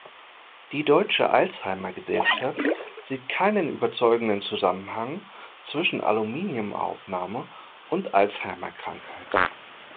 Die Deutsche Alzheimer Gesellschaft sieht keinen überzeugenden Zusammenhang zwischen Aluminium-Aufnahme und Alzheimer-Krankheit.